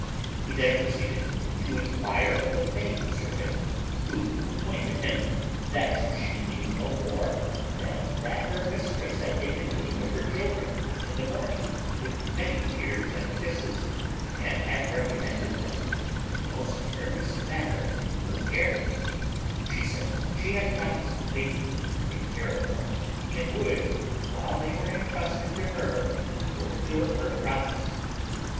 He then proceeded to enquire of the maid servant, who acquainted him that she knew no more than that her mistress had taken leave of her children in the morning with many tears and kisses, and had recommended them in the most earnest manner to her care; she said she had promised faithfully to take care of them, and would, while they were entrusted to her, fulfil her promise.